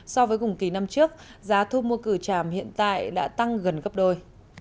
so với cùng kỳ năm trước giá thu mua cử tràm hiện tại đã tăng gần gấp đôi